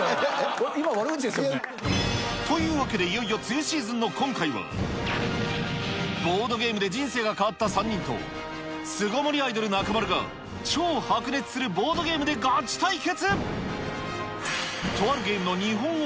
今、悪口ですよね？というわけで、いよいよ梅雨シーズンの今回は、ボードゲームで人生が変わった３人と、巣ごもりアイドル、中丸が超白熱するボードゲームでガチ対決。